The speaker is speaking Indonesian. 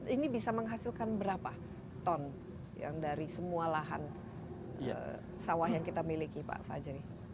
ini bisa menghasilkan berapa ton yang dari semua lahan sawah yang kita miliki pak fajri